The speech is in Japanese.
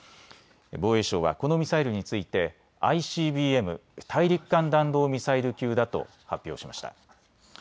防衛省はこのミサイルについてＩＣＢＭ・大陸間弾道ミサイル級だと発表しました。